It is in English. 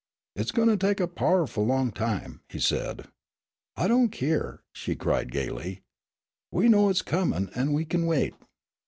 "It's gwine to tek a pow'ful long time," he said. "I don' keer," she cried gaily. "We know it's comin' an' we kin wait."